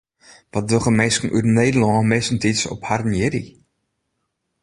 Wat dogge minsken út Nederlân meastentiids op harren jierdei?